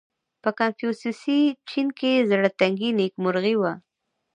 • په کنفوسیوسي چین کې زړهتنګي نېکمرغي وه.